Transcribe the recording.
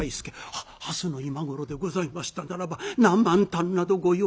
「あっ明日の今頃でございましたならば何万反などご用意をいたします。